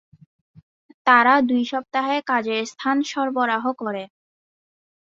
তারা দুই সপ্তাহে কাজের স্থান সরবরাহ করে।